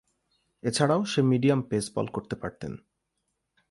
এছাড়াও সে medium pace ball করতে পারতেন।